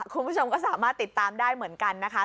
คุณผู้ชมก็สามารถติดตามได้เหมือนกันนะคะ